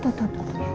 tau tau tau